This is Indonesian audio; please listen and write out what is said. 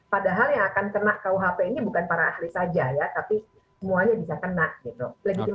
padahal yang akan kena kuhp ini bukan para ahli saja ya tapi semuanya bisa kena gitu